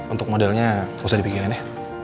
untuk modelnya nggak usah dipikirin ya